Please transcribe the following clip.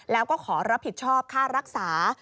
แล้วก็ขอรับผิดชอบค่ารักษา